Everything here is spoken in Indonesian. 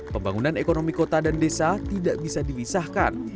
pembangunan ekonomi kota dan desa tidak bisa dipisahkan